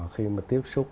khi mà tiếp xúc